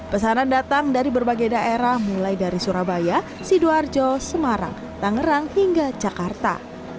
pesanan datang dari berbagai daerah mulai dari surabaya sidoarjo semarang tangerang hingga jakarta